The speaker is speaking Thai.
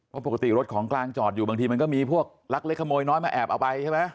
เพราะปกติรถของกลางจอดอยู่บางทีมันก็มีพวกลักเล็กขโมยน้อยมาแอบเอาไปใช่ไหม